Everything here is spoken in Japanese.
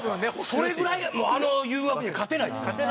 それぐらいあの誘惑には勝てないですね。